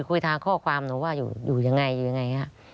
คุยทางข้อความหนูว่าอยู่ยังไงอยู่ยังไง